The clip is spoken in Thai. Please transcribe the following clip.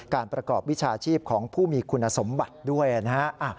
ประกอบวิชาชีพของผู้มีคุณสมบัติด้วยนะฮะ